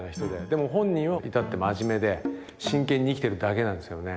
でも本人は至って真面目で真剣に生きてるだけなんですよね。